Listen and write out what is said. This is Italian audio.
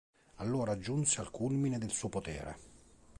Allora giunse al culmine del suo potere.